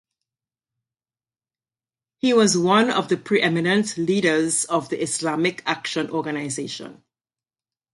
He was one of the preeminent leaders of the Islamic Action Organisation.